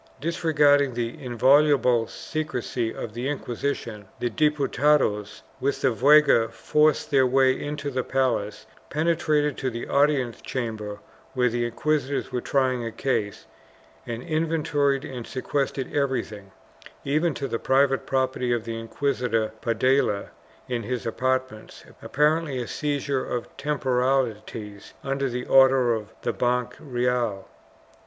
Disregarding the inviolable secrecy of the Inquisition, the Diputados, with the veguer, forced their way into the palace, penetrated to the audience chamber where the inquisitors were trying a case, and inventoried and seques trated everything, even to the private property of the Inquisitor Padilla in his apartments — apparently a seizure of temporalities under an order of the Banch Reyal.